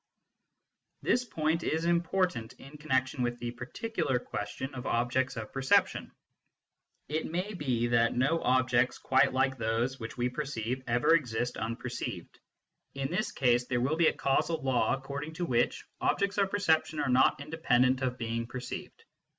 This point is important in connexion with the particular question of objects of perception. It may be that no objects quite like those which we perceive ever exist unperceived ; SCIENTIFIC METHOD IN PHILOSOPHY in this case there will be a causal law according to which objects of perception are not independent of being perceived.